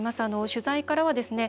取材からはですね